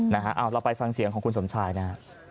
เราไปฟังเสียงของคุณสมชายนะ